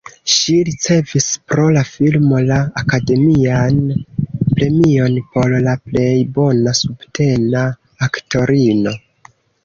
Ŝi ricevis pro la filmo la Akademian Premion por la plej bona subtena aktorino.